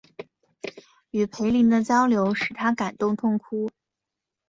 与斐琳的交流使他感动痛哭。